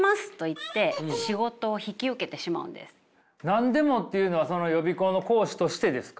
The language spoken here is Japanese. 「なんでも」っていうのはその予備校の講師としてですか？